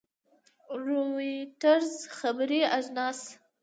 رویټرز خبري اژانس